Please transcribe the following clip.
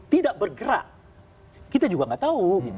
tidak bergerak kita juga nggak tahu